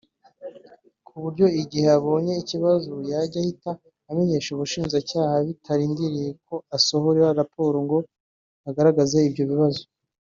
ku buryo igihe abonye ikibazo yajya ahita amenyesha ubugenzacyaha bitarindiriye ko asohora raporo ngo agaragaze ibyo bibazo